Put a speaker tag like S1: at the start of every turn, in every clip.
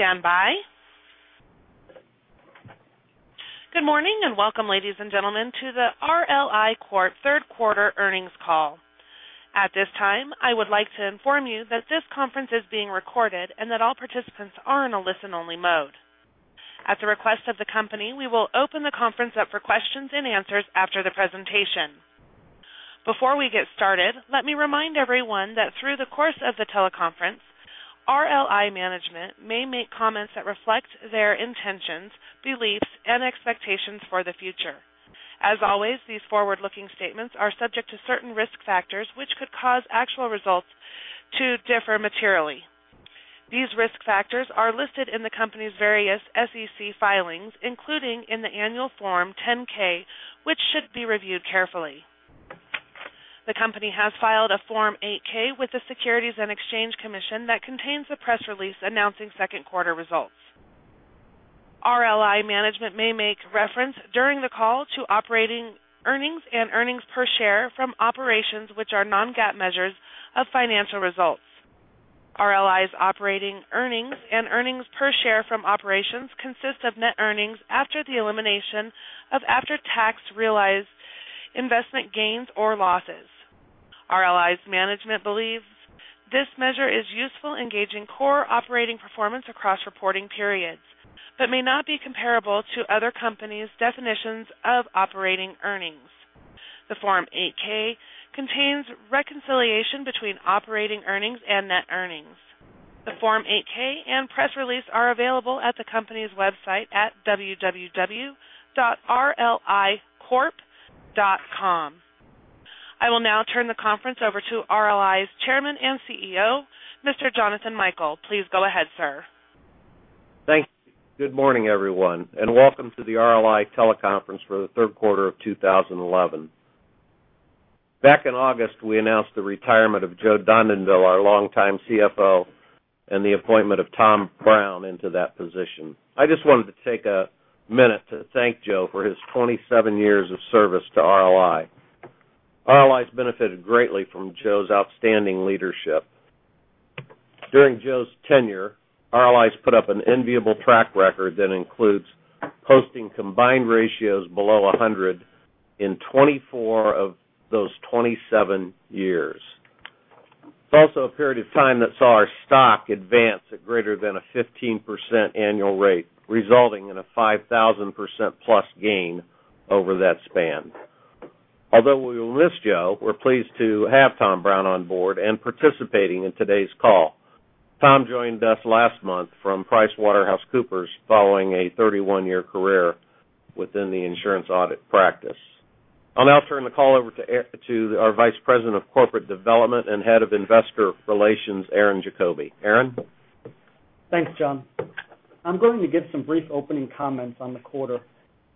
S1: Please stand by. Good morning, and welcome, ladies and gentlemen, to the RLI Corp. third quarter earnings call. At this time, I would like to inform you that this conference is being recorded and that all participants are in a listen-only mode. At the request of the company, we will open the conference up for questions and answers after the presentation. Before we get started, let me remind everyone that through the course of the teleconference, RLI management may make comments that reflect their intentions, beliefs, and expectations for the future. As always, these forward-looking statements are subject to certain risk factors which could cause actual results to differ materially. These risk factors are listed in the company's various SEC filings, including in the annual Form 10-K, which should be reviewed carefully. The company has filed a Form 8-K with the Securities and Exchange Commission that contains a press release announcing second-quarter results. RLI management may make reference during the call to operating earnings and earnings per share from operations which are non-GAAP measures of financial results. RLI's operating earnings and earnings per share from operations consist of net earnings after the elimination of after-tax realized investment gains or losses. RLI's management believes this measure is useful in gauging core operating performance across reporting periods but may not be comparable to other companies' definitions of operating earnings. The Form 8-K contains reconciliation between operating earnings and net earnings. The Form 8-K and press release are available at the company's website at www.rlicorp.com. I will now turn the conference over to RLI's Chairman and CEO, Mr. Jonathan Michael. Please go ahead, sir.
S2: Thanks. Good morning, everyone, and welcome to the RLI teleconference for the third quarter of 2011. Back in August, we announced the retirement of Joe Dondanville, our longtime CFO, and the appointment of Tom Brown into that position. I just wanted to take a minute to thank Joe for his 27 years of service to RLI. RLI's benefited greatly from Joe's outstanding leadership. During Joe's tenure, RLI's put up an enviable track record that includes posting combined ratios below 100 in 24 of those 27 years. It's also a period of time that saw our stock advance at greater than a 15% annual rate, resulting in a 5,000%-plus gain over that span. Although we will miss Joe, we're pleased to have Tom Brown on board and participating in today's call. Tom joined us last month from PricewaterhouseCoopers following a 31-year career within the insurance audit practice. I'll now turn the call over to our Vice President of Corporate Development and Head of Investor Relations, Aaron Diefenthaler. Aaron?
S3: Thanks, John. I'm going to give some brief opening comments on the quarter.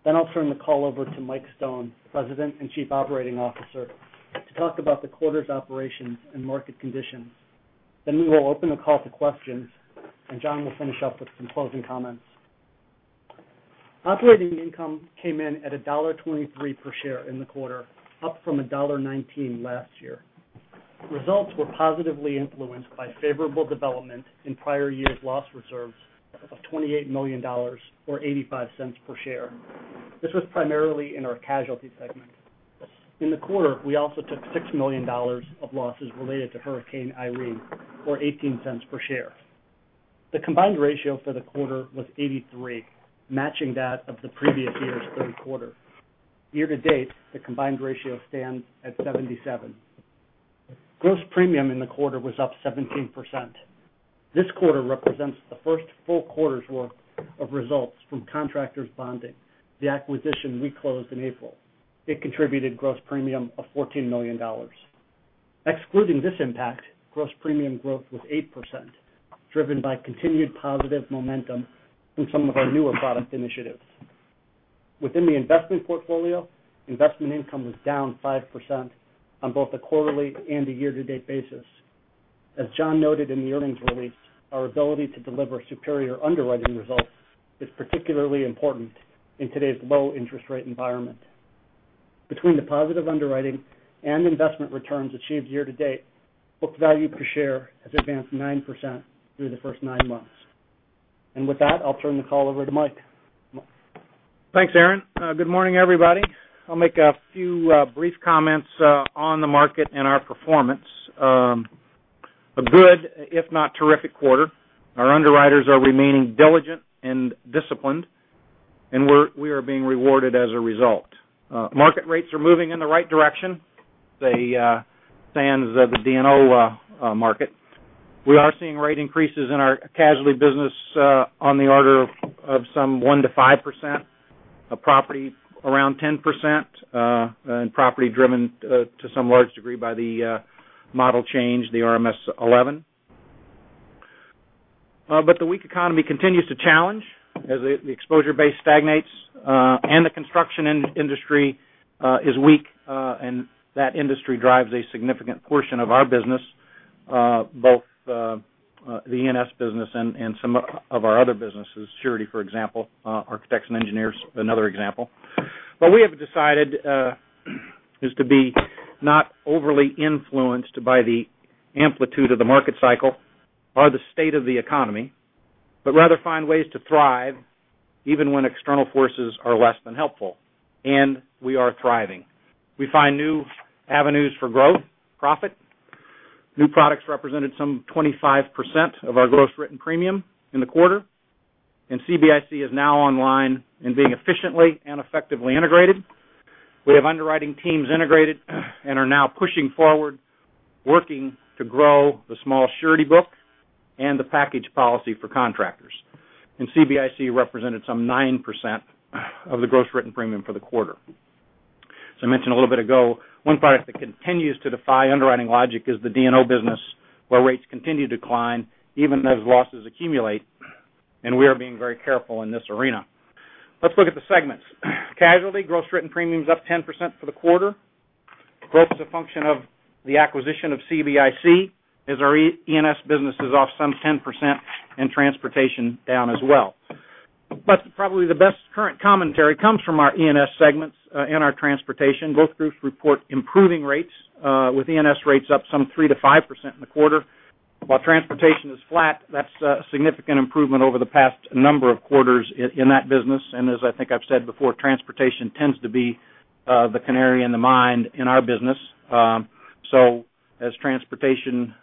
S3: I'll turn the call over to Mike Stone, President and Chief Operating Officer, to talk about the quarter's operations and market conditions. We will open the call to questions, and John will finish up with some closing comments. Operating income came in at $1.23 per share in the quarter, up from $1.19 last year. Results were positively influenced by favorable development in prior years' loss reserves of $28 million, or $0.85 per share. This was primarily in our casualty segment. In the quarter, we also took $6 million of losses related to Hurricane Irene, or $0.18 per share. The combined ratio for the quarter was 83, matching that of the previous year's third quarter. Year to date, the combined ratio stands at 77. Gross premium in the quarter was up 17%. This quarter represents the first full quarter's worth of results from Contractors Bonding, the acquisition we closed in April. It contributed gross premium of $14 million. Excluding this impact, gross premium growth was 8%, driven by continued positive momentum in some of our newer product initiatives. Within the investment portfolio, investment income was down 5% on both a quarterly and a year-to-date basis. As John noted in the earnings release, our ability to deliver superior underwriting results is particularly important in today's low-interest rate environment. Between the positive underwriting and investment returns achieved year to date, book value per share has advanced 9% through the first nine months. With that, I'll turn the call over to Mike.
S4: Thanks, Aaron. Good morning, everybody. I'll make a few brief comments on the market and our performance. A good, if not terrific, quarter. Our underwriters are remaining diligent and disciplined, and we are being rewarded as a result. Market rates are moving in the right direction sans the D&O market. We are seeing rate increases in our casualty business on the order of some 1%-5%, property around 10%, and property driven to some large degree by the model change, the RMS v11. The weak economy continues to challenge as the exposure base stagnates and the construction industry is weak, and that industry drives a significant portion of our business, both the E&S business and some of our other businesses, surety, for example, architects and engineers, another example. What we have decided is to be not overly influenced by the amplitude of the market cycle or the state of the economy, but rather find ways to thrive even when external forces are less than helpful, and we are thriving. We find new avenues for growth, profit. New products represented some 25% of our gross written premium in the quarter, and CBIC is now online and being efficiently and effectively integrated. We have underwriting teams integrated and are now pushing forward, working to grow the small surety book and the package policy for contractors. CBIC represented some 9% of the gross written premium for the quarter. As I mentioned a little bit ago, one product that continues to defy underwriting logic is the D&O business, where rates continue to decline even as losses accumulate, and we are being very careful in this arena. Let's look at the segments. Casualty gross written premium's up 10% for the quarter. Growth is a function of the acquisition of CBIC as our E&S business is off some 10% and transportation down as well. Probably the best current commentary comes from our E&S segments and our transportation. Both groups report improving rates, with E&S rates up some 3%-5% in the quarter. While transportation is flat, that's a significant improvement over the past number of quarters in that business. As I think I've said before, transportation tends to be the canary in the mine in our business. As transportation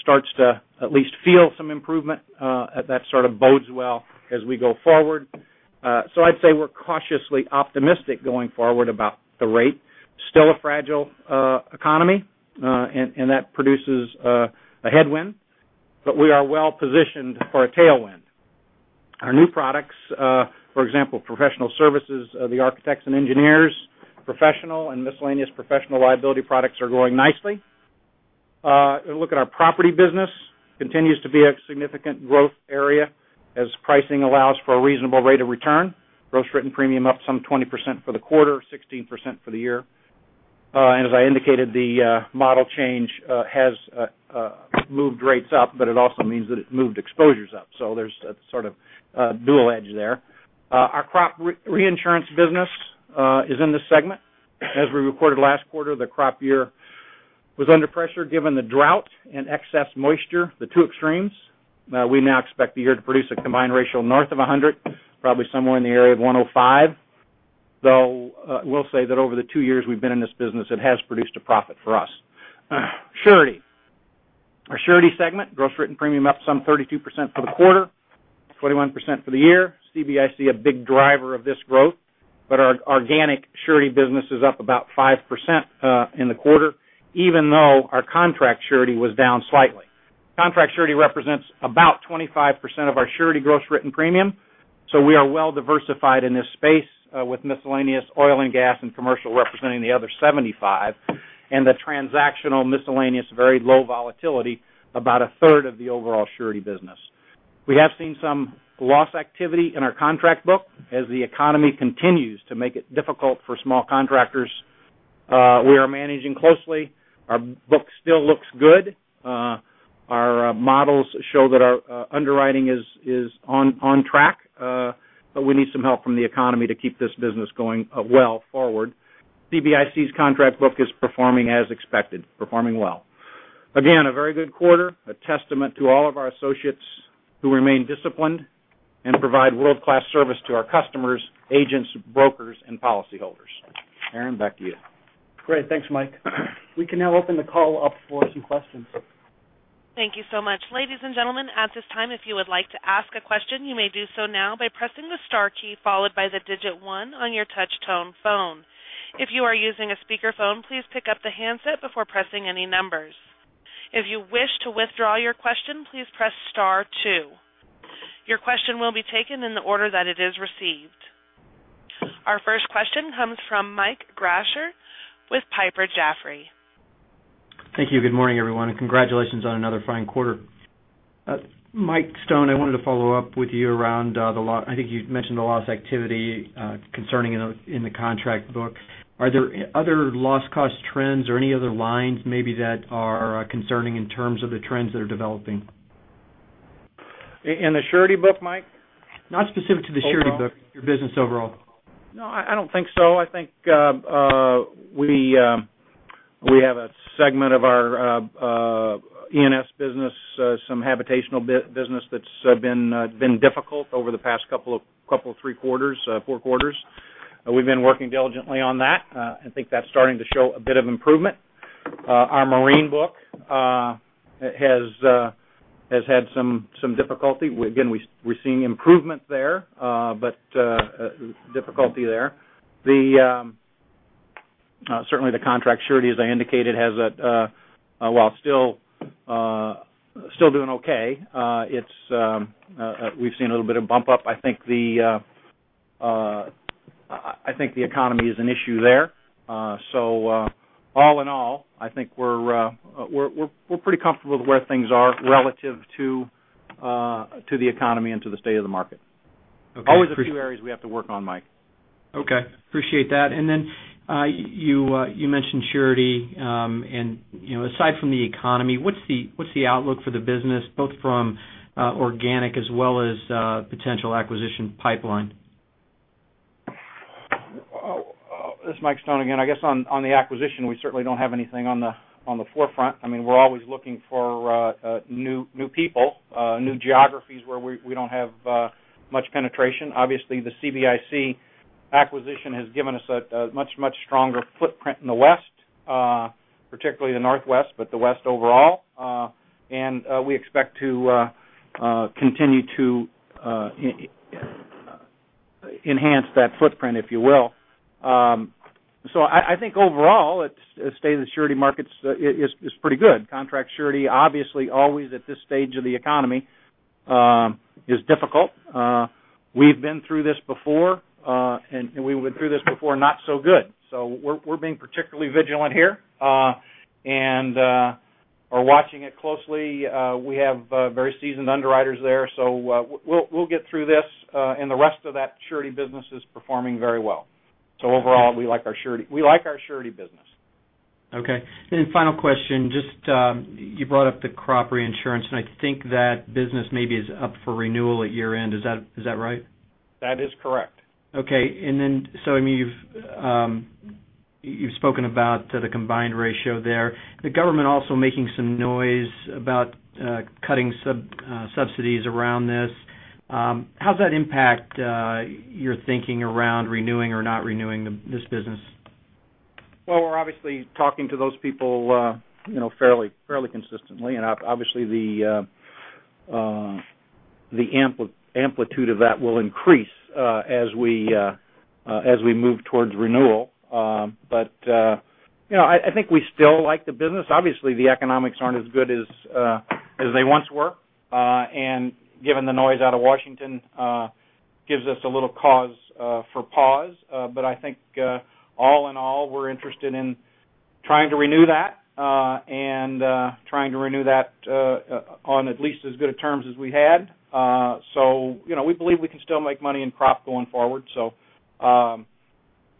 S4: starts to at least feel some improvement, that bodes well as we go forward. I'd say we're cautiously optimistic going forward about the rate. Still a fragile economy, and that produces a headwind, but we are well-positioned for a tailwind. Our new products, for example, professional services, the architects and engineers, professional and miscellaneous professional liability products are growing nicely. Look at our property business. Continues to be a significant growth area as pricing allows for a reasonable rate of return. Gross written premium up some 20% for the quarter, 16% for the year. As I indicated, the model change has moved rates up, but it also means that it moved exposures up. There's a sort of dual edge there. Our crop reinsurance business is in this segment. As we reported last quarter, the crop year was under pressure given the drought and excess moisture, the two extremes. We now expect the year to produce a combined ratio north of 100, probably somewhere in the area of 105, though we'll say that over the two years we've been in this business, it has produced a profit for us. Surety. Our surety segment gross written premium up some 32% for the quarter, 21% for the year. CBIC, a big driver of this growth, but our organic surety business is up about 5% in the quarter, even though our contract surety was down slightly. Contract surety represents about 25% of our surety gross written premium. We are well-diversified in this space with miscellaneous oil and gas and commercial representing the other 75%, and the transactional miscellaneous very low volatility, about a third of the overall surety business. We have seen some loss activity in our contract book as the economy continues to make it difficult for small contractors. We are managing closely. Our book still looks good. Our models show that our underwriting is on track, but we need some help from the economy to keep this business going well forward. CBIC's contract book is performing as expected, performing well. Again, a very good quarter, a testament to all of our associates who remain disciplined and provide world-class service to our customers, agents, brokers, and policyholders. Aaron, back to you.
S3: Great. Thanks, Mike. We can now open the call up for a few questions.
S1: Thank you so much. Ladies and gentlemen, at this time, if you would like to ask a question, you may do so now by pressing the star key followed by the digit 1 on your touch tone phone. If you are using a speakerphone, please pick up the handset before pressing any numbers. If you wish to withdraw your question, please press star 2. Your question will be taken in the order that it is received. Our first question comes from Michael Grasher with Piper Jaffray.
S5: Thank you. Good morning, everyone. Congratulations on another fine quarter. Mike Stone, I wanted to follow up with you around the loss. I think you'd mentioned the loss activity concerning in the contract book. Are there other loss cost trends or any other lines maybe that are concerning in terms of the trends that are developing?
S4: In the surety book, Mike?
S5: Not specific to the surety book.
S4: Overall?
S5: Your business overall.
S4: No, I don't think so. I think we have a segment of our E&S business, some habitational business that's been difficult over the past couple of three quarters, four quarters. We've been working diligently on that. I think that's starting to show a bit of improvement. Our marine book has had some difficulty. Again, we're seeing improvement there, but difficulty there. Certainly, the contract surety, as I indicated, while still doing okay, we've seen a little bit of bump up. I think the economy is an issue there. All in all, I think we're pretty comfortable with where things are relative to the economy and to the state of the market.
S5: Okay.
S4: Always a few areas we have to work on, Mike.
S5: Okay. Appreciate that. Then you mentioned surety, aside from the economy, what's the outlook for the business, both from organic as well as potential acquisition pipeline?
S4: This is Mike Stone again. I guess on the acquisition, we certainly don't have anything on the forefront. We're always looking for new people, new geographies where we don't have much penetration. Obviously, the CBIC acquisition has given us a much stronger footprint in the West, particularly the Northwest, but the West overall. We expect to continue to enhance that footprint, if you will. I think overall, the state of the surety markets is pretty good. Contract surety, obviously, always at this stage of the economy, is difficult. We've been through this before, we went through this before not so good. We're being particularly vigilant here, are watching it closely. We have very seasoned underwriters there, we'll get through this, the rest of that surety business is performing very well. Overall, we like our surety business.
S5: Okay. Then final question, you brought up the crop reinsurance, I think that business maybe is up for renewal at year-end. Is that right?
S4: That is correct.
S5: Okay. You've spoken about the combined ratio there. The government also making some noise about cutting subsidies around this. How does that impact your thinking around renewing or not renewing this business?
S4: Well, we're obviously talking to those people fairly consistently, obviously the amplitude of that will increase as we move towards renewal. I think we still like the business. Obviously, the economics aren't as good as they once were. Given the noise out of Washington, gives us a little cause for pause. I think all in all, we're interested in trying to renew that, and trying to renew that on at least as good of terms as we had. We believe we can still make money in crop going forward.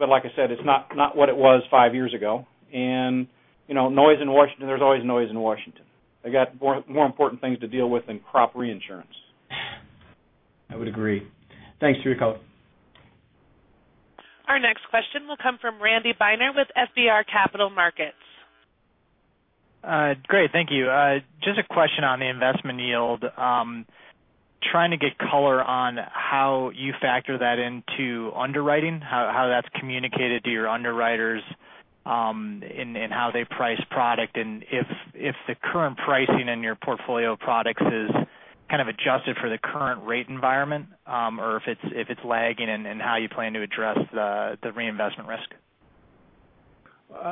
S4: Like I said, it's not what it was five years ago. Noise in Washington, there's always noise in Washington. They got more important things to deal with than crop reinsurance.
S5: I would agree. Thanks for your call.
S1: Our next question will come from Randy Binner with FBR Capital Markets.
S6: Great. Thank you. Just a question on the investment yield. Trying to get color on how you factor that into underwriting, how that's communicated to your underwriters, and how they price product. If the current pricing in your portfolio of products is kind of adjusted for the current rate environment, or if it's lagging and how you plan to address the reinvestment risk.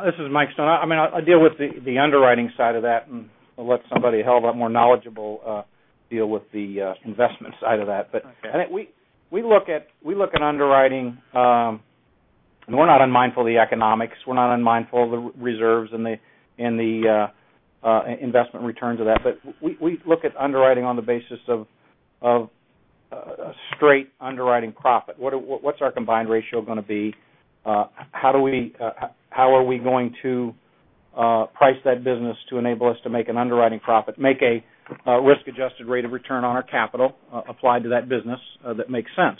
S4: This is Mike Stone. I'll deal with the underwriting side of that and let somebody a hell of a lot more knowledgeable deal with the investment side of that.
S6: Okay.
S4: I think we look at underwriting, we're not unmindful of the economics. We're not unmindful of the reserves and the investment returns of that. We look at underwriting on the basis of straight underwriting profit. What's our combined ratio going to be? How are we going to price that business to enable us to make an underwriting profit, make a risk-adjusted rate of return on our capital applied to that business that makes sense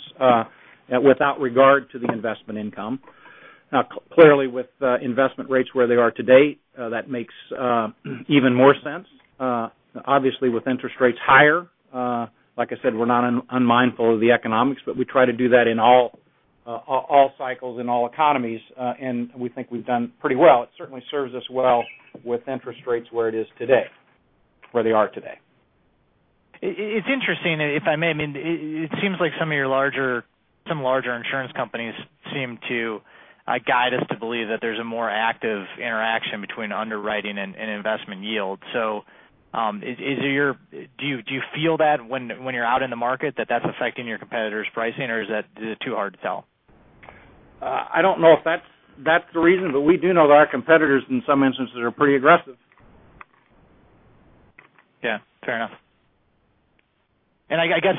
S4: without regard to the investment income? Clearly, with investment rates where they are today, that makes even more sense. Obviously, with interest rates higher, like I said, we're not unmindful of the economics, we try to do that in all cycles and all economies. We think we've done pretty well. It certainly serves us well with interest rates where they are today.
S6: It's interesting, if I may. It seems like some larger insurance companies seem to guide us to believe that there's a more active interaction between underwriting and investment yield. Do you feel that when you're out in the market that that's affecting your competitors' pricing, or is it too hard to tell?
S4: I don't know if that's the reason, but we do know that our competitors, in some instances, are pretty aggressive.
S6: Yeah, fair enough. I guess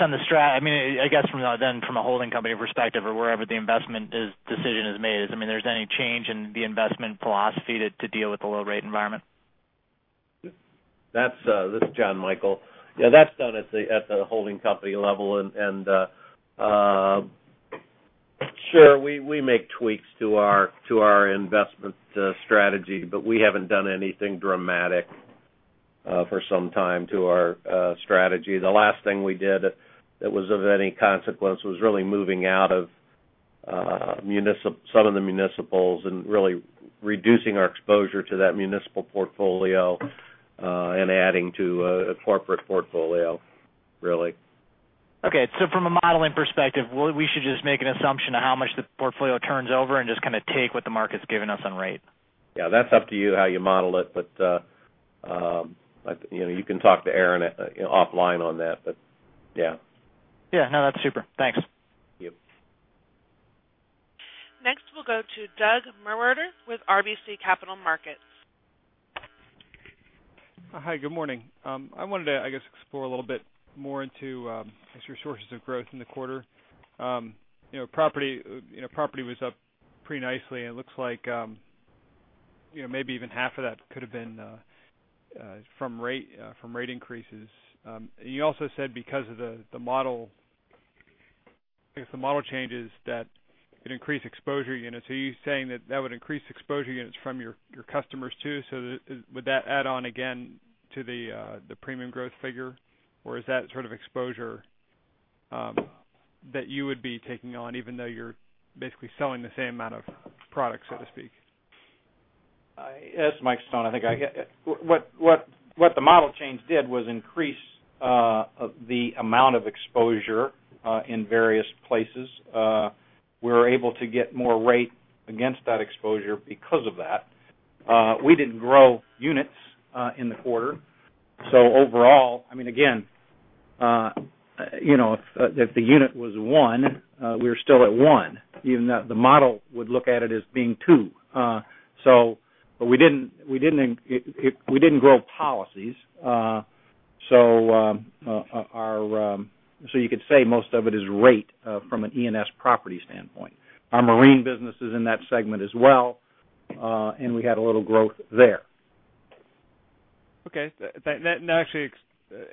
S6: from a holding company perspective or wherever the investment decision is made, is there any change in the investment philosophy to deal with the low rate environment?
S2: This is John Michael. Yeah, that's done at the holding company level. Sure, we make tweaks to our investment strategy, but we haven't done anything dramatic for some time to our strategy. The last thing we did that was of any consequence was really moving out of some of the municipals and really reducing our exposure to that municipal portfolio, and adding to a corporate portfolio, really.
S6: Okay. From a modeling perspective, we should just make an assumption of how much the portfolio turns over and just kind of take what the market's given us on rate.
S2: Yeah, that's up to you how you model it. You can talk to Aaron offline on that, yeah.
S6: Yeah. No, that's super. Thanks.
S2: Yep.
S1: Next, we'll go to Doug Mulder with RBC Capital Markets.
S7: Hi, good morning. I wanted to explore a little bit more into your sources of growth in the quarter. Property was up pretty nicely, and it looks like maybe even half of that could have been from rate increases. You also said because of the model changes that it increased exposure units. Are you saying that that would increase exposure units from your customers too? Would that add on again to the premium growth figure, or is that sort of exposure that you would be taking on even though you're basically selling the same amount of product, so to speak?
S4: It's Mike Stone. I think what the model change did was increase the amount of exposure in various places. We were able to get more rate against that exposure because of that. We didn't grow units in the quarter. Overall, if the unit was one, we were still at one, even though the model would look at it as being two. We didn't grow policies. You could say most of it is rate from an E&S property standpoint. Our marine business is in that segment as well. We had a little growth there.
S7: Okay. That actually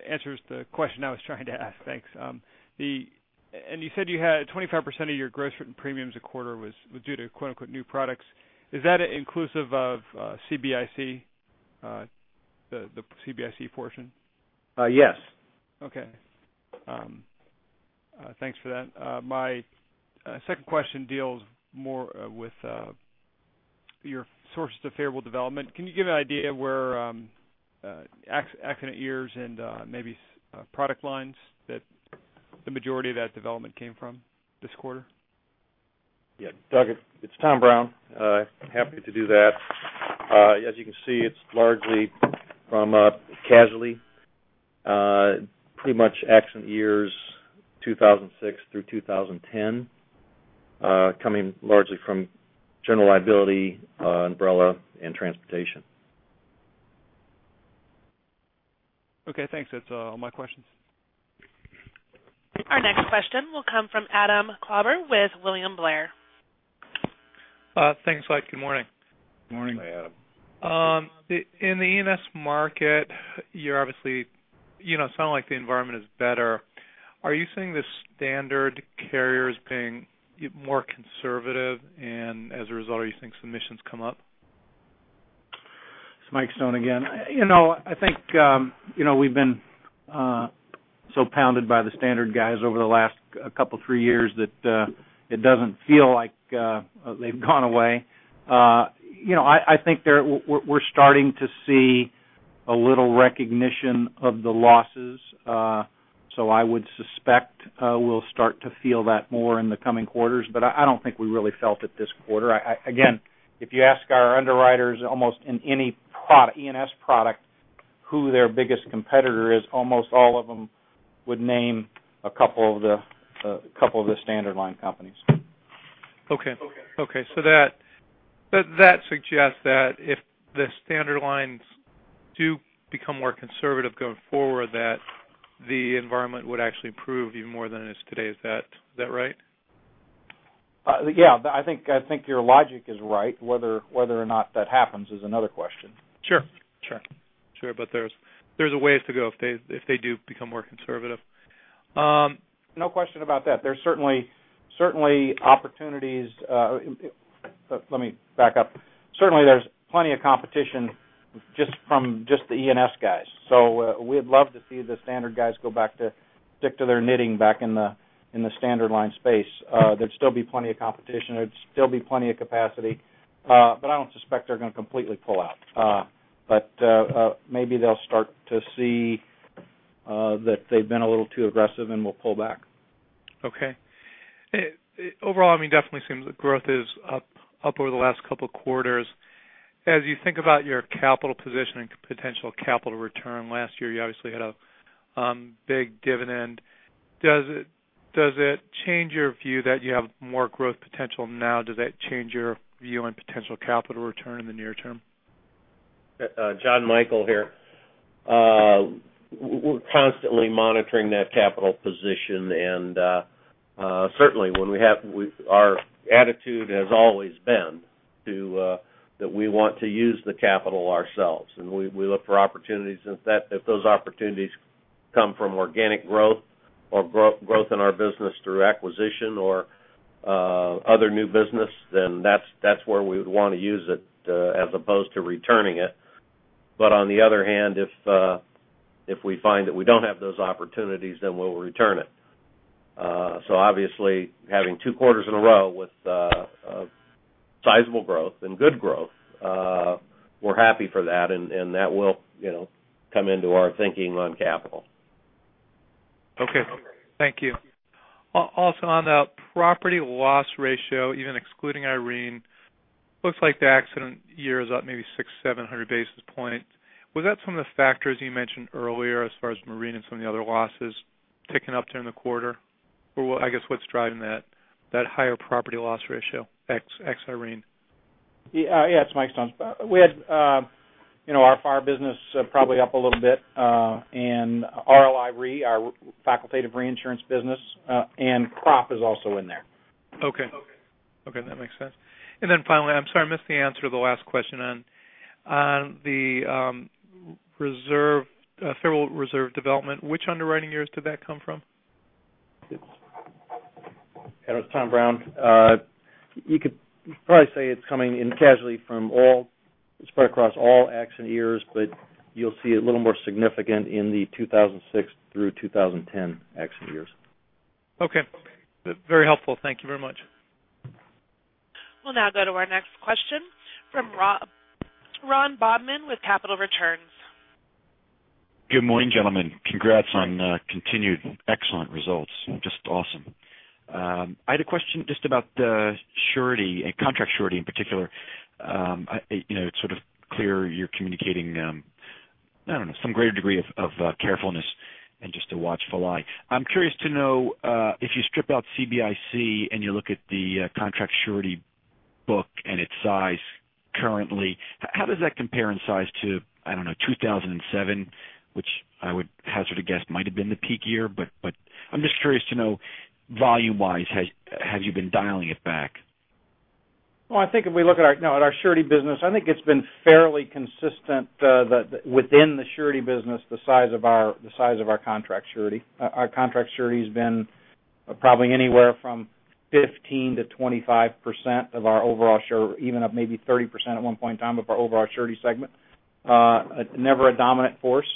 S7: answers the question I was trying to ask. Thanks. You said you had 25% of your gross written premiums a quarter was due to "new products." Is that inclusive of the CBIC portion?
S4: Yes.
S7: Okay. Thanks for that. My second question deals more with your sources of favorable development. Can you give an idea where accident years and maybe product lines that the majority of that development came from this quarter?
S8: Yeah. Doug, it's Tom Brown. Happy to do that. As you can see, it's largely from casualty. Pretty much accident years 2006 through 2010, coming largely from general liability, umbrella, and transportation.
S7: Okay, thanks. That's all my questions.
S1: Our next question will come from Adam Klauber with William Blair.
S9: Thanks. Good morning.
S4: Morning.
S2: Hey, Adam.
S9: In the E&S market, you're obviously, it's not like the environment is better. Are you seeing the standard carriers being more conservative? As a result, are you seeing submissions come up?
S4: It's Mike Stone again. I think we've been so pounded by the standard guys over the last couple three years that it doesn't feel like they've gone away. I think we're starting to see a little recognition of the losses. I would suspect we'll start to feel that more in the coming quarters, but I don't think we really felt it this quarter. Again, if you ask our underwriters almost in any E&S product who their biggest competitor is, almost all of them would name a couple of the standard line companies.
S9: Okay. That suggests that if the standard lines do become more conservative going forward, that the environment would actually improve even more than it is today. Is that right?
S4: Yeah. I think your logic is right. Whether or not that happens is another question.
S9: Sure. There's a ways to go if they do become more conservative.
S4: No question about that. There's certainly opportunities. Let me back up. Certainly, there's plenty of competition from just the E&S guys. We'd love to see the standard guys go back to stick to their knitting back in the standard line space. There'd still be plenty of competition. There'd still be plenty of capacity. I don't suspect they're going to completely pull out. Maybe they'll start to see that they've been a little too aggressive and will pull back.
S9: Okay. Overall, it definitely seems that growth is up over the last couple of quarters. As you think about your capital position and potential capital return, last year, you obviously had a big dividend. Does it change your view that you have more growth potential now? Does that change your view on potential capital return in the near term?
S2: Jonathan Michael here. We're constantly monitoring that capital position. Certainly our attitude has always been that we want to use the capital ourselves, and we look for opportunities. If those opportunities come from organic growth or growth in our business through acquisition or other new business, that's where we would want to use it as opposed to returning it. On the other hand, if we find that we don't have those opportunities, we'll return it. Obviously, having two quarters in a row with sizable growth and good growth, we're happy for that, and that will come into our thinking on capital.
S9: Okay. Thank you. On the property loss ratio, even excluding Irene, looks like the accident year is up maybe 6, 700 basis points. Was that some of the factors you mentioned earlier as far as marine and some of the other losses ticking up during the quarter? What's driving that higher property loss ratio ex Irene?
S4: It's Mike Stone. Our fire business probably up a little bit, RLI Re, our facultative reinsurance business, and crop is also in there.
S9: Okay. That makes sense. Finally, I'm sorry, I missed the answer to the last question. On the federal reserve development, which underwriting years did that come from?
S8: It's Tom Brown. You could probably say it's coming in casualty from all, spread across all accident years, but you'll see it a little more significant in the 2006 through 2010 accident years.
S9: Okay. Very helpful. Thank you very much.
S1: We'll now go to our next question from Ron Bodman with Capital Returns.
S10: Good morning, gentlemen. Congrats on continued excellent results. Just awesome. I had a question just about the surety and contract surety in particular. It's sort of clear you're communicating, I don't know, some greater degree of carefulness and just a watchful eye. I'm curious to know, if you strip out CBIC and you look at the contract surety book and its size currently, how does that compare in size to, I don't know, 2007? Which I would hazard a guess might have been the peak year, but I'm just curious to know volume-wise, have you been dialing it back?
S4: Well, I think if we look at our surety business, I think it's been fairly consistent within the surety business, the size of our contract surety. Our contract surety has been probably anywhere from 15% to 25% of our overall surety, even up maybe 30% at one point in time of our overall surety segment. Never a dominant force.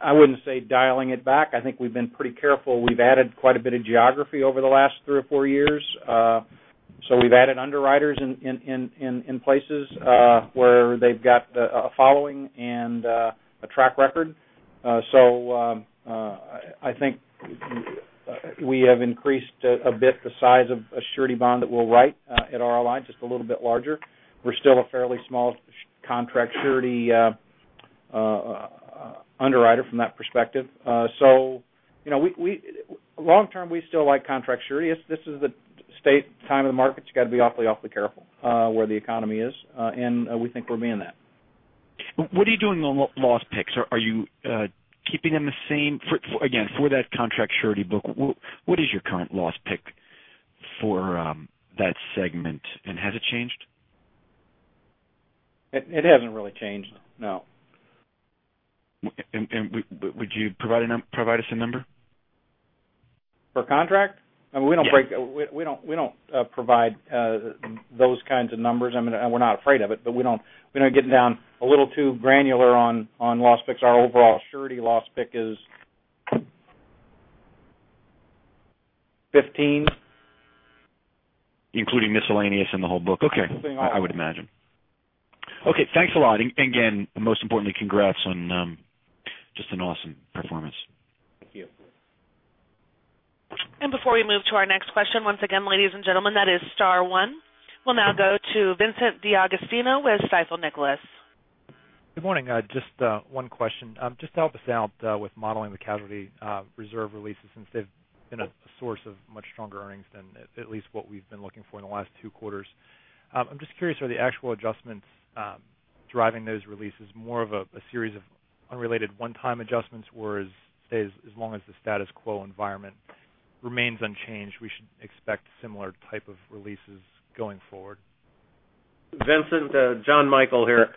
S4: I wouldn't say dialing it back. I think we've been pretty careful. We've added quite a bit of geography over the last three or four years. We've added underwriters in places where they've got a following and a track record. I think we have increased a bit the size of a surety bond that we'll write at RLI, just a little bit larger. We're still a fairly small contract surety underwriter from that perspective. Long term, we still like contract surety. This is the state time of the market. You got to be awfully careful where the economy is. We think we're being that.
S10: What are you doing on loss picks? Are you keeping them the same for, again, for that contract surety book, what is your current loss pick for that segment, and has it changed?
S4: It hasn't really changed, no.
S10: Would you provide us a number?
S4: For contract?
S10: Yes.
S4: We don't provide those kinds of numbers. We're not afraid of it, we're not getting down a little too granular on loss picks. Our overall surety loss pick is 15.
S10: Including miscellaneous in the whole book. Okay.
S4: The whole thing.
S10: I would imagine. Okay, thanks a lot. Again, most importantly, congrats on just an awesome performance.
S4: Thank you.
S1: Before we move to our next question, once again, ladies and gentlemen, that is star one. We'll now go to Vincent D'Agostino with Stifel Nicolaus.
S11: Good morning. Just one question. Just to help us out with modeling the casualty reserve releases, since they've been a source of much stronger earnings than at least what we've been looking for in the last two quarters. I'm just curious, are the actual adjustments driving those releases more of a series of unrelated one-time adjustments where as long as the status quo environment remains unchanged, we should expect similar type of releases going forward?
S2: Vincent, Jonathan Michael here.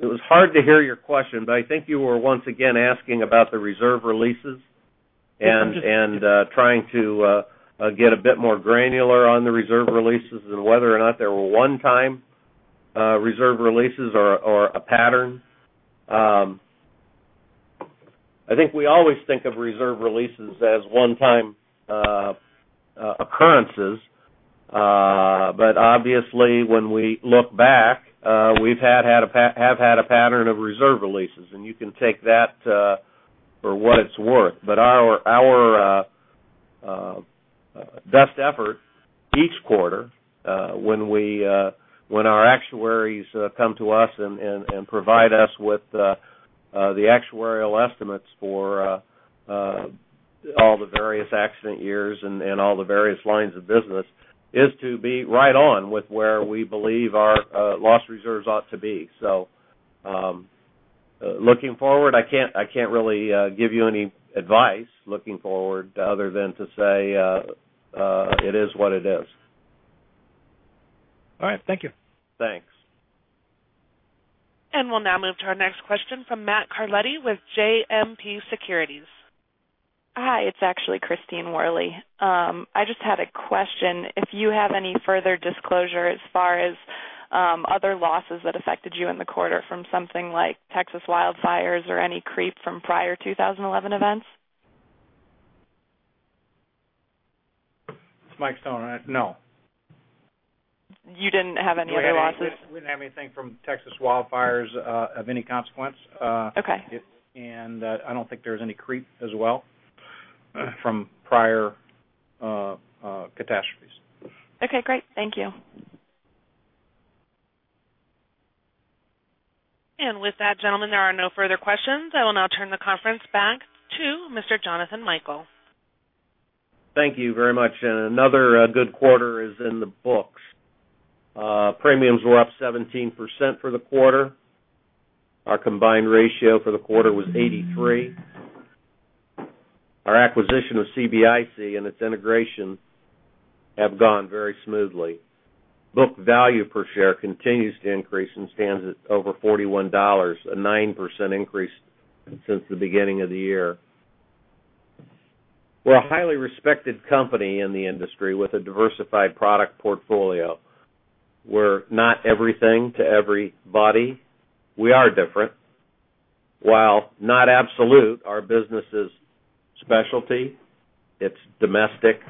S2: It was hard to hear your question. I think you were once again asking about the reserve releases and trying to get a bit more granular on the reserve releases and whether or not they were one-time reserve releases or a pattern. I think we always think of reserve releases as one-time occurrences. Obviously when we look back, we've had a pattern of reserve releases, and you can take that for what it's worth. Our best effort each quarter, when our actuaries come to us and provide us with the actuarial estimates for all the various accident years and all the various lines of business, is to be right on with where we believe our loss reserves ought to be. Looking forward, I can't really give you any advice looking forward other than to say, it is what it is.
S11: All right. Thank you.
S2: Thanks.
S1: We'll now move to our next question from Matthew Carletti with JMP Securities.
S12: Hi, it's actually Christine Worley. I just had a question if you have any further disclosure as far as other losses that affected you in the quarter from something like Texas wildfires or any creep from prior 2011 events.
S4: It's Mike Stone. No.
S12: You didn't have any other losses?
S4: We didn't have anything from Texas wildfires of any consequence.
S12: Okay.
S4: I don't think there's any creep as well from prior catastrophes.
S12: Okay, great. Thank you.
S1: With that, gentlemen, there are no further questions. I will now turn the conference back to Mr. Jonathan Michael.
S2: Thank you very much. Another good quarter is in the books. Premiums were up 17% for the quarter. Our combined ratio for the quarter was 83. Our acquisition of CBIC and its integration have gone very smoothly. Book value per share continues to increase and stands at over $41, a 9% increase since the beginning of the year. We're a highly respected company in the industry with a diversified product portfolio. We're not everything to everybody. We are different. While not absolute, our business is specialty, it's domestic,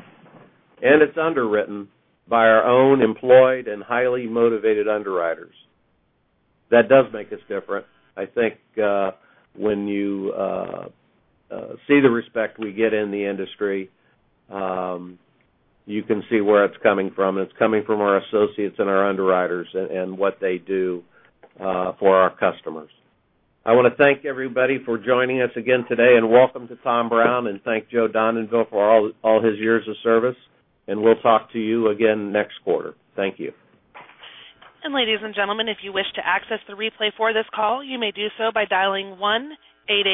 S2: and it's underwritten by our own employed and highly motivated underwriters. That does make us different. I think when you see the respect we get in the industry, you can see where it's coming from. It's coming from our associates and our underwriters and what they do for our customers. I want to thank everybody for joining us again today and welcome to Tom Brown, and thank Joe Dondanville for all his years of service, and we'll talk to you again next quarter. Thank you.
S1: Ladies and gentlemen, if you wish to access the replay for this call, you may do so by dialing 1-888